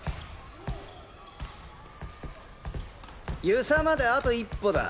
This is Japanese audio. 遊佐まであと一歩だ。